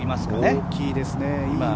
大きいですね。